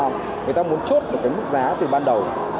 người ta muốn chốt được cái mức giá từ ban đầu